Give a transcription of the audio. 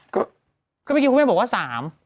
ก็กินพวกเขาบอกว่า๓